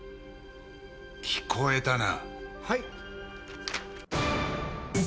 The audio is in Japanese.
「聞こえたな⁉」